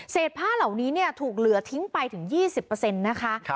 ผ้าเหล่านี้ถูกเหลือทิ้งไปถึง๒๐นะคะ